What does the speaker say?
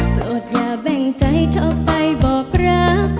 โปรดยาแบ่งใจเธอไปบอกรักกับเธอ